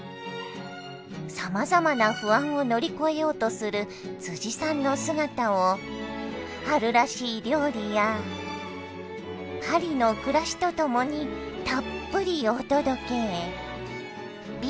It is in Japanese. さまざまな不安を乗り越えようとするさんの姿を春らしい料理やパリの暮らしとともにたっぷりお届け。